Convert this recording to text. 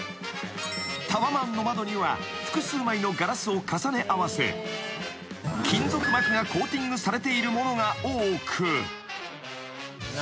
［タワマンの窓には複数枚のガラスを重ね合わせ金属膜がコーティングされているものが多く］